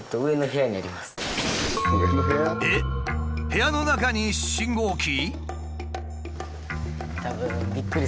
部屋の中に信号機？